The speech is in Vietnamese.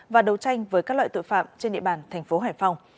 và đấu tranh với các loại tội phạm trên địa bàn tp hcm